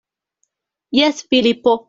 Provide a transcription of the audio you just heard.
Jes, Filipo.